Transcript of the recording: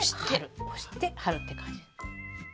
押して貼るって感じ。